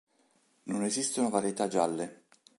Non esistono varietà gialle.